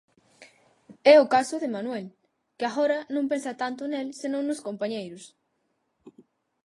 É o caso de Manuel, que agora non pensa tanto nel senón nos compañeiros.